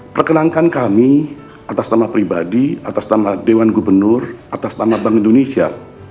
perkenankan kami atas nama pribadi atas nama dewan gubernur atas nama bank indonesia